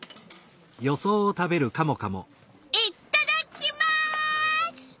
いっただっきます！